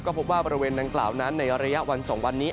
พบว่าบริเวณดังกล่าวนั้นในระยะวัน๒วันนี้